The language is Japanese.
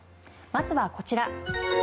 まずはこちら。